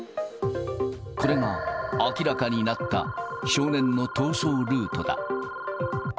これが明らかになった少年の逃走ルートだ。